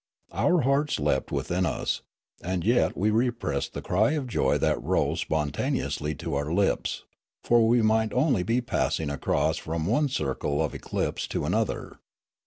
Our hearts leapt within us ; and yet we repressed the cry of joy that rose spon taneously to our lips, for we might only be passing across from one circle of eclipse to another.